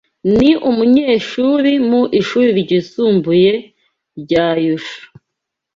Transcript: Ni umunyeshuri mu ishuri ryisumbuye rya Yushu.